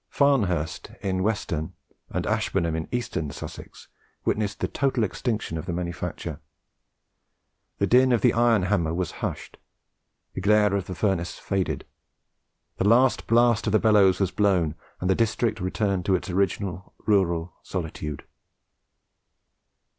Farnhurst, in western, and Ashburnham, in eastern Sussex, witnessed the total extinction of the manufacture. The din of the iron hammer was hushed, the glare of the furnace faded, the last blast of the bellows was blown, and the district returned to its original rural solitude.